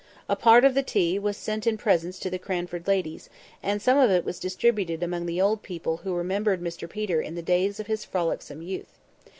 A part of the tea was sent in presents to the Cranford ladies; and some of it was distributed among the old people who remembered Mr Peter in the days of his frolicsome youth.